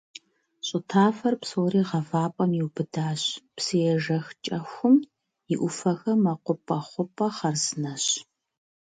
Щӏы тафэ псори гъавапӀэм иубыдащ, псыежэх КӀэхум и Ӏуфэхэр мэкъупӀэ, хъупӀэ хъарзынэщ.